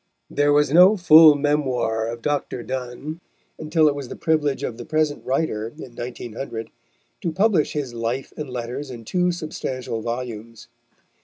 There was no full memoir of Dr. Donne until it was the privilege of the present writer, in 1900, to publish his Life and Letters in two substantial volumes.